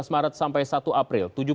dua belas maret sampai satu april